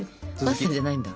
パスタじゃないんだ？